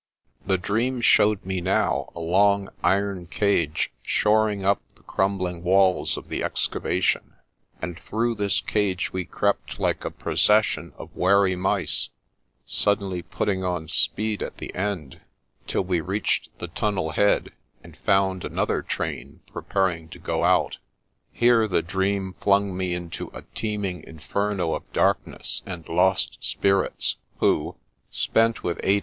The dream showed me now a long iron cage, shoring up the crumbling walls of the excavation ; and through this cage we crept like a procession of wary mice, suddenly putting on speed at the end, till we reached the tunnel head, and found another train preparing to go out. Here the dream flung me into a teeming Inferno of darkness and lost spirits who (spent with eight At Last